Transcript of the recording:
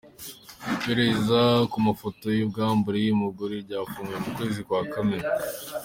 Iperereza ku mafoto y’ubwambure y’uyu mugore ryafunguwe mu kwezi kwa Kamena.